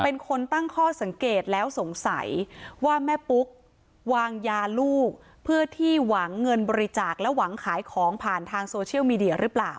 เป็นคนตั้งข้อสังเกตแล้วสงสัยว่าแม่ปุ๊กวางยาลูกเพื่อที่หวังเงินบริจาคและหวังขายของผ่านทางโซเชียลมีเดียหรือเปล่า